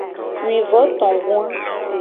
Wuivotogoa.